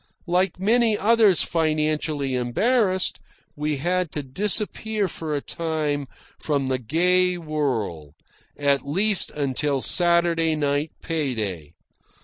Like many others financially embarrassed, we had to disappear for a time from the gay whirl at least until Saturday night pay day.